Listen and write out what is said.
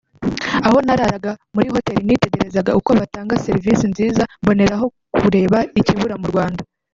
aho nararaga muri hoteli nitegerezaga uko batanga serivisi nziza mboneraho kureba ikibura mu Rwanda